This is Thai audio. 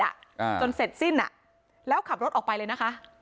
อ่าจนเสร็จสิ้นอ่ะแล้วขับรถออกไปเลยนะคะ